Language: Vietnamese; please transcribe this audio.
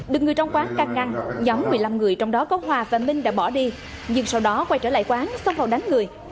được người trong quán căn ngăn nhóm một mươi năm người trong đó có hòa và minh đã bỏ đi nhưng sau đó quay trở lại quán xông vào đánh người